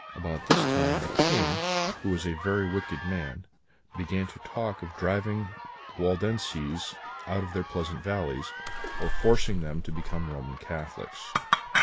"About this time the King, who was a very wicked man, began to talk of driving the Waldenses out of their pleasant valleys, or forcing them to become Roman Catholics.